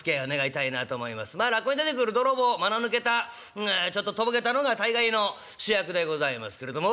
まあ落語に出てくる泥棒間の抜けたちょっととぼけたのが大概の主役でございますけれども。